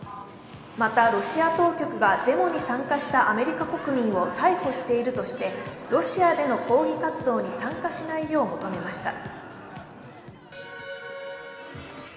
またロシア当局がデモに参加したアメリカ国民を逮捕しているとして、ロシアでの抗議活動に参加しないよう求めました。